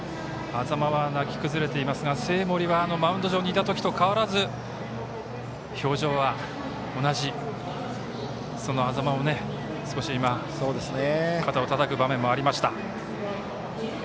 安座間は泣き崩れていますが生盛は、マウンド上にいた時と変わらず表情は同じ、安座間を少し肩をたたく場面もありました。